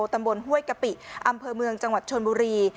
ตำบลห้วยกะปิอำเภอเมืองจังหวัดชนบุรี